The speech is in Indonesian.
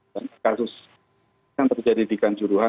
dan kasus yang terjadi di kancuruhan